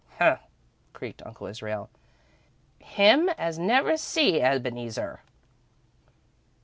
"Him," creaked Uncle Israel. "Him, as never see Ebeneezer."